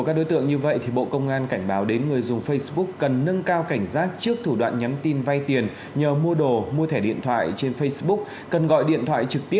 các tài khoản facebook đang sinh sống tại nước ngoài để khi bị lừa đảo mua đồ mua thẻ điện thoại các bị hại sẽ có liên hệ ngay được